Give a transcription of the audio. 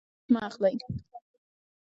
رشوت مه اخلئ